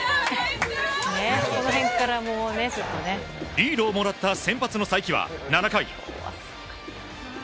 リードをもらった先発の才木は７回。